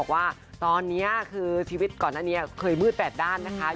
ว่าตอนนี้คือชีวิตก่อนหน้านี้เคยมืด๘ด้านนะคะ